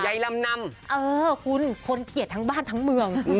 ใยลำนำคุณคนเกียรติทั้งบ้านทั้งเมือง